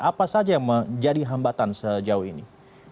apa saja yang menjadi hambatan sejauh ini